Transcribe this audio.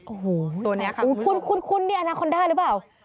โอ้โฮคุ้นนี่อาณาคอนด้าหรือเปล่า